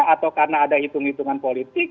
atau karena ada hitung hitungan politik